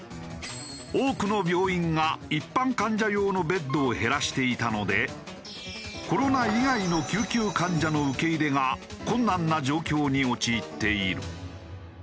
多くの病院が一般患者用のベッドを減らしていたのでコロナ以外の救急患者の受け入れが困難な状況に陥っている。